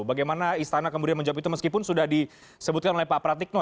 bagaimana istana kemudian menjawab itu meskipun sudah disebutkan oleh pak pratikno